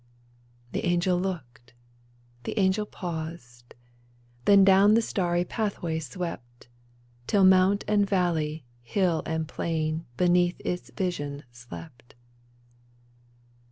The angel looked ; the angel paused ; Then down the starry pathway swept, Till mount and valley, hill and plain. Beneath its vision slept.